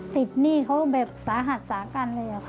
ติดหนี้เขาแบบสาหัสสากันเลย